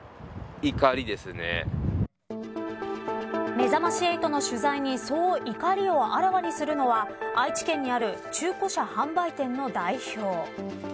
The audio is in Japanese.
めざまし８の取材にそう、怒りをあらわにするのは愛知県にある中古車販売店の代表。